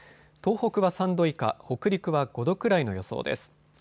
東北は３度以下、北陸は５度くらいの予想です。